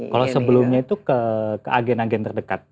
kalau sebelumnya itu ke agen agen terdekat